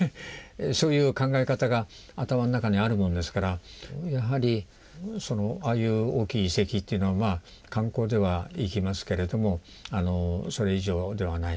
そういう考え方が頭の中にあるもんですからやはりああいう大きい遺跡というのは観光では行きますけれどもそれ以上ではない。